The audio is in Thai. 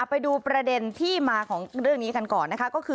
ไปดูประเด็นที่มาของเรื่องนี้กันก่อน